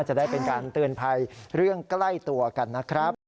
จะได้เป็นการเตือนภัยเรื่องใกล้ตัวกันนะครับ